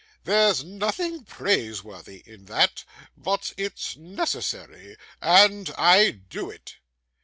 There's nothing praiseworthy in that, but it's necessary, and I do it.